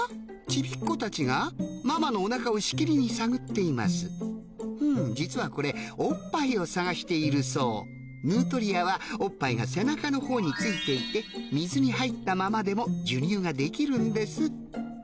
ちびっ子たちがママのお腹をしきりに探っていますふむ実はこれおっぱいを探しているそうヌートリアはおっぱいが背中のほうについていて水に入ったままでも授乳ができるんです